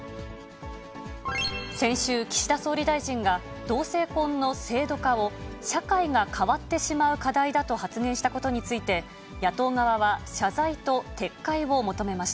先週、岸田総理大臣が同性婚の制度化を、社会が変わってしまう課題だと発言したことについて、野党側は謝罪と撤回を求めました。